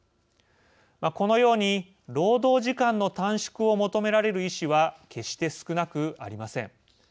このように労働時間の短縮を求められる医師は決して少なくありません。